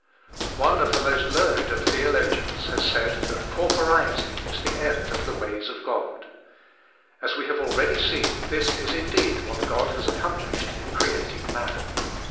ONE of the most learned of tbeolo gians has said that corporiety is the end of the ways of God. As we have already seen, this is indeed whnt (M has accomplished in creating man.